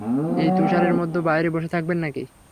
এই তুষারের মধ্যে বাইরে বসে থাকবেন নাকি?